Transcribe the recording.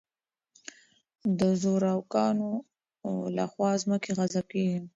د زورواکانو له خوا ځمکې غصب کېږي.